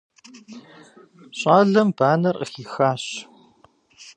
Щӏалэм банэр къыхихащ.